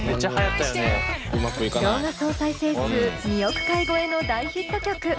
動画総再生数２億回超えの大ヒット曲